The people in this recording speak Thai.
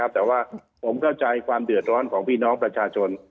แต่ว่าผมเข้าใจความเดือดร้อนของพี่น้องประชาชน